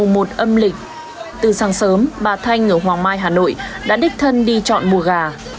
mùa một âm lịch từ sáng sớm bà thanh ở hoàng mai hà nội đã đích thân đi chọn mùa gà